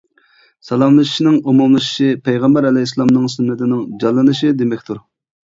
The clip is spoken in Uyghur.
سالاملىشىشنىڭ ئومۇملىشىشى پەيغەمبەر ئەلەيھىسسالامنىڭ سۈننىتىنىڭ جانلىنىشى دېمەكتۇر.